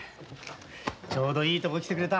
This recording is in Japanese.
ちょうどいいとこ来てくれた。